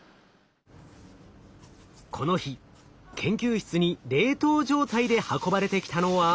この日研究室に冷凍状態で運ばれてきたのは。